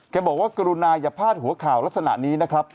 บอกว่ากรุณาอย่าพลาดหัวข่าวลักษณะนี้นะครับ